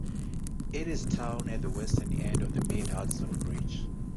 It is town at the western end of the Mid-Hudson Bridge.